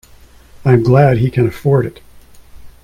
I am glad he can afford it.